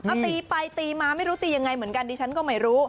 เอาตีไปตีมาไม่รู้ตียังไงเหมือนกันดิฉันก็ไม่รู้